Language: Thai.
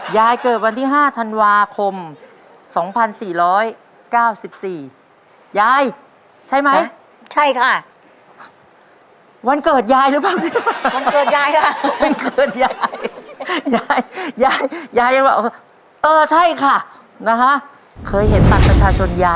ยายเกิดวันที่ห้าธันวาคมสองพันสี่ร้อยเก้าสิบสี่ยายใช่ไหมใช่ค่ะ